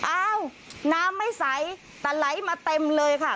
อ้าวน้ำไม่ใสแต่ไหลมาเต็มเลยค่ะ